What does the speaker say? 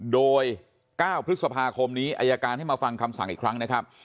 โดย๙พฤษภาคมนี้อายการให้มาฟังคำสั่งอีกครั้งนะครับ